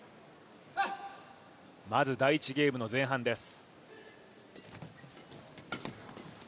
まず第１ゲームの前半です。